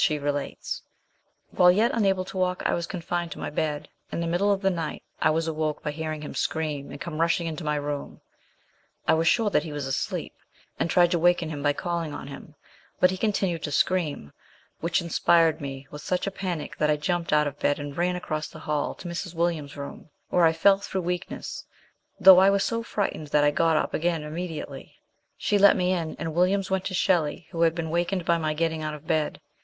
he relates :" While yet unable to walk, I was confined to my bed. In the middle of the night I was awoke by hearing him scream, and come rushing into my room ; LAST MONTHS WITH SHELLEY. 165 I was sure that he was asleep, and tried to wakeu him by calling on him ; but he continued to scream, which inspired me with such a panic that I jumped out of bed and ran across the hall to Mrs. Williams's room, where I fell through weakness, though I was so frightened that I got up again immediately. She let me in, and Williams went to Shelley who had been wakened by my getting out of bed.